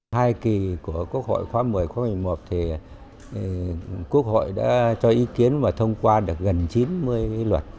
hai kỳ của quốc hội khóa một mươi khóa một mươi một thì quốc hội đã cho ý kiến và thông qua được gần chín mươi luật